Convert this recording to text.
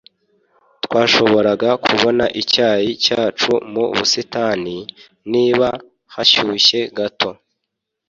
twashoboraga kubona icyayi cyacu mu busitani, niba hashyushye gato